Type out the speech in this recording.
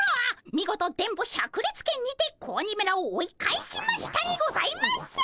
見事電ボ百裂拳にて子鬼めらを追い返しましたにございますっ！